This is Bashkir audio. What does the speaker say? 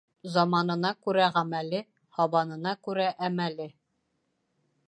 Заманына күрә ғәмәле, һабанына күрә әмәле.